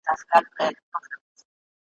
پر مزار د شالمار دي انارګل درته لیکمه `